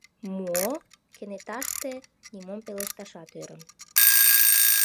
— Мо?! — кенеташте нимом пелешташат ӧрым.